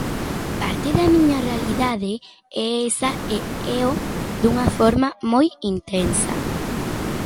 Parte da miña realidade é esa e éo dunha forma moi intensa.